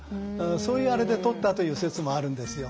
そういうあれでとったという説もあるんですよ。